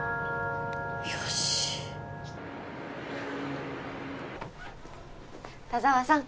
よし田沢さん